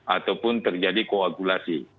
ataupun terjadi koagulasi